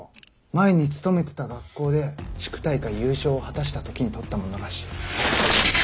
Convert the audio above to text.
前に勤めてた学校で地区大会優勝を果たした時に撮ったものらしい。